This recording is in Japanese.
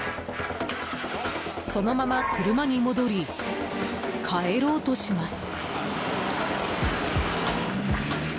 そのまま車に戻り帰ろうとします。